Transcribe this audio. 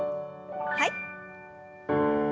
はい。